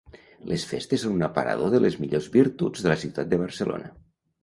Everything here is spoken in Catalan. Les festes són un aparador de les millors virtuts de la ciutat de Barcelona.